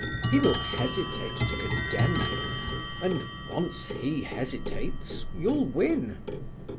He will hesitate to condemn you, and once he hesitates you'll win.